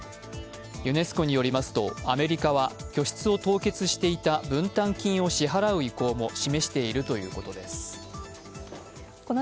ユネスコによりますと、アメリカは拠出を凍結していた分担金を支払う意向も示しているということです。